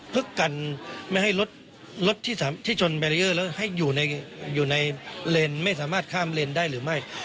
พกกันไม่ให้รถที่ชนและให้อยู่ในเรนไม่สามารถข้ามเรนได้หรือไม่